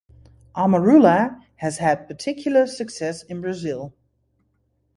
Amarula has had particular success in Brazil.